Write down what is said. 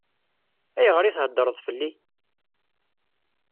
Ayɣer i theddṛeḍ fell-i?